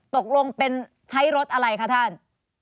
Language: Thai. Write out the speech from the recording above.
ตกลงเป็นใช้รถอะไรคะท่าน